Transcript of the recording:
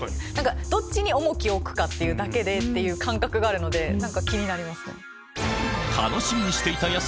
どっちに重きを置くかだけって感覚があるので気になりますね。